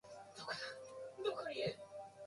ボワソナードタワーは立派である